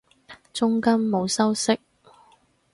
中間冇修飾